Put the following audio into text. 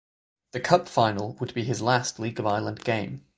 The Cup final would be his last League of Ireland game.